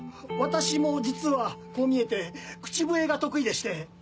私も実はこう見えて口笛が得意でして。